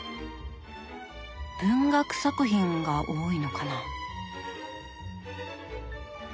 文学作品が多いのかな。